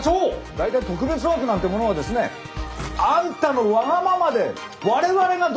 大体特別枠なんてものはですねあんたのわがままで我々がどん。